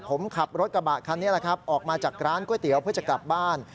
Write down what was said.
ผมขับรถกระบะคันนี้แหละครับออกมาจากร้านก๋วยเตี๋ยวเพื่อจะกลับบ้าน